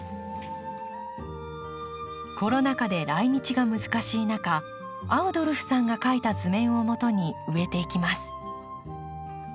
コロナ禍で来日が難しい中アウドルフさんが描いた図面をもとに植えていきます。